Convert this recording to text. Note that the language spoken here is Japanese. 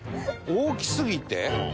大きすぎ。